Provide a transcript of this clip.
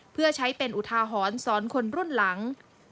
เพื่อใช้เป็นอุทาหรณ์สอนคนรุ่นหลัง